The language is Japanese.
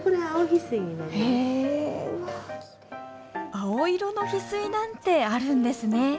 青色のヒスイなんてあるんですね。